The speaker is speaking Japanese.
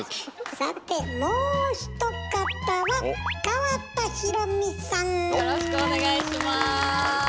さてもう一方はよろしくお願いします。